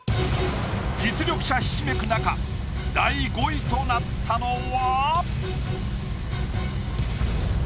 実力者ひしめく中第５位となったのは？